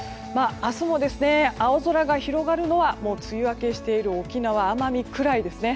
明日も青空が広がるのは梅雨明けしている沖縄、奄美くらいですね。